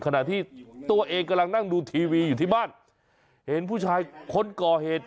ขณะที่ตัวเองกำลังนั่งดูทีวีอยู่ที่บ้านเห็นผู้ชายคนก่อเหตุ